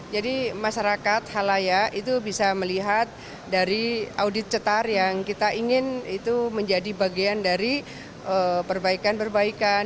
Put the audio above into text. jadi masyarakat halayak itu bisa melihat dari audit cetar yang kita ingin itu menjadi bagian dari perbaikan perbaikan